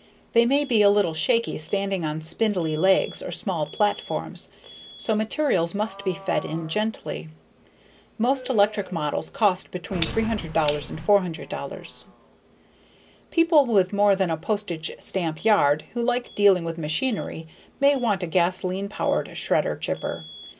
They may be a little shaky, standing on spindly legs or small platforms, so materials must be fed in gently. Most electric models cost between $300 and $400. People with more than a postage stamp yard who like dealing with machinery may want a gasoline powered shredder/chipper.